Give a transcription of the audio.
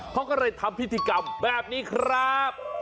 เขาก็เลยทำพิธีกรรมแบบนี้ครับ